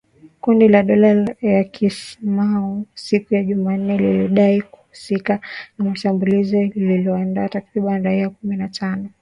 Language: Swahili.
Kundi la dola ya Kiilsmau siku ya Jumanne lilidai kuhusika na shambulizi lililoua takriban raia kumi na tano